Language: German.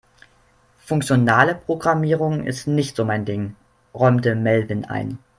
"Funktionale Programmierung ist nicht so mein Ding", räumte Melvin ein.